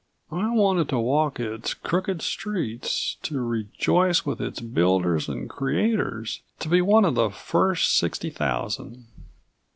I wanted to walk its crooked streets, to rejoice with its builders and creators, to be one of the first sixty thousand.